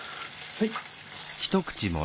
はい。